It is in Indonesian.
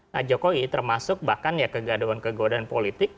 nah jokowi termasuk bahkan ya kegaduhan kegaduhan politik